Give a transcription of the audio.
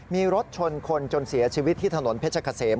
มีรถชนคนจนเสียชีวิตที่ถนนเพชรเกษม